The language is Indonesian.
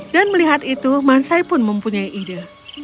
dan melihat itu mansai pun mempunyai ide